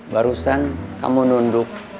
barusan kamu nunduk